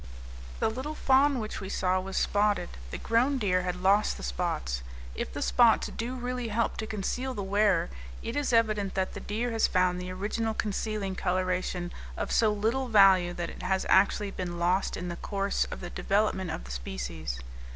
The little fawn which we saw was spotted; the grown deer had lost the spots; if the spots do really help to conceal the wearer, it is evident that the deer has found the original concealing coloration of so little value that it has actually been lost in the course of the development of the species.